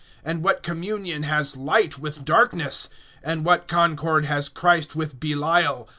And what communion has light with darkness? (15)And what concord has Christ with Belial?